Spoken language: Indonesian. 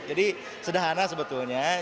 jadi sederhana sebetulnya